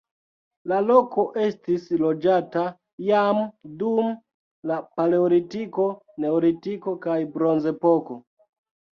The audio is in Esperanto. La loko estis loĝata jam dum la paleolitiko, neolitiko kaj bronzepoko.